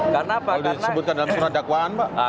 kalau disebutkan dalam surat dakwaan pak